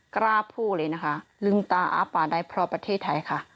กล้าพูดเลยนะคะลืมตาอ้าปากาได้เพราะประเทศไทยค่ะ